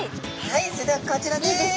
はいそれではこちらです。